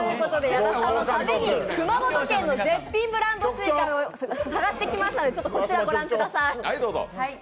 矢田さんのために熊本県の絶品ブランドすいかを探してきましたのでこちらをご覧ください。